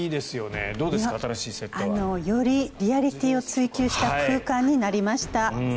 より、リアリティーを追求した空間になりました。